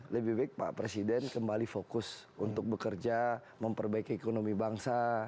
lebih baik pak presiden kembali fokus untuk bekerja memperbaiki ekonomi bangsa